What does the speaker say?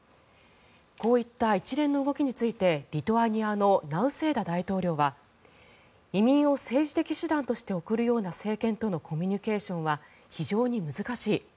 こういった一連の動きについてリトアニアのナウセーダ大統領は移民を政治的手段として送るような政権とのコミュニケーションは非常に難しい。